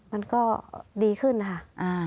มันก็ดีขึ้นนะครับ